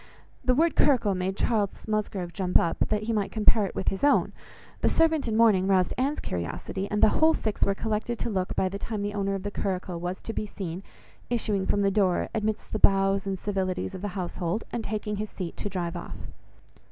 The word curricle made Charles Musgrove jump up that he might compare it with his own; the servant in mourning roused Anne's curiosity, and the whole six were collected to look, by the time the owner of the curricle was to be seen issuing from the door amidst the bows and civilities of the household, and taking his seat, to drive off.